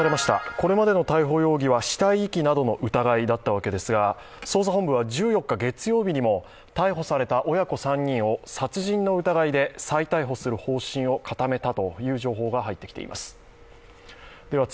これまでの逮捕容疑は死体遺棄などの疑いだったわけですが捜査本部は１４日月曜日にも、逮捕された親子３人を殺人の疑いで再逮捕する方針を固めたという情報が入ってきています。